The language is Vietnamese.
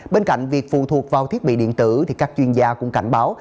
bên cạnh việc phụ thuộc vào thiết bị điện tử thì các chuyên gia cũng cảnh báo